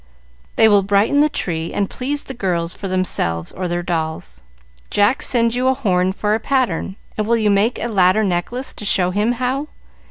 They will brighten the tree and please the girls for themselves or their dolls. Jack sends you a horn for a pattern, and will you make a ladder necklace to show him how?